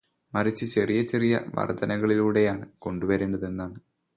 മറിച്ച് ചെറിയ ചെറിയ വർധനകളിലൂടെയാണ് കൊണ്ടുവരേണ്ടത് എന്നാണ്.